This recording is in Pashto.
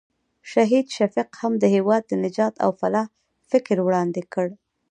شهید شفیق هم د هېواد د نجات او فلاح فکر وړاندې کړ.